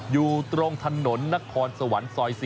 อยู่ตรงถนนนครสวรรค์ซอย๔